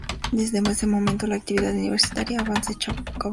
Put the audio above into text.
Desde ese momento, la actividad universitaria avanza en Chacabuco.